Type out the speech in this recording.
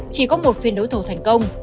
chỉ có một phiên đấu thầu thành công